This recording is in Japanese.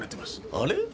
あれ？